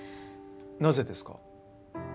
なぜですか？